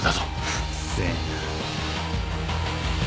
うっせえな。